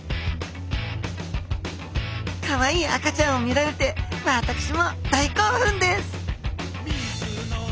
かわいい赤ちゃんを見られて私も大興奮です！